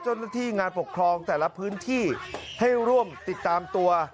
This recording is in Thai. เจ้าหน้าที่งานปกครองแต่ละพื้นที่ให้ร่วมติดตามตัว